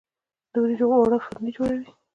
د وریجو اوړه فرني جوړوي.